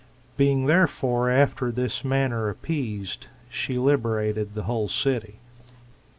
Being, therefore, after this manner appeased, she liberated the whole city.